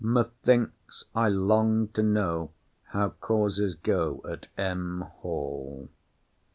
Methinks I long to know how causes go at M. Hall.